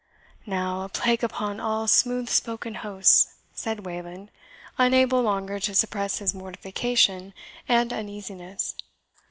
"Now, a plague upon all smooth spoken hosts!" said Wayland, unable longer to suppress his mortification and uneasiness.